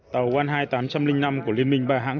tàu wanhai tám trăm linh năm của liên minh ba hãng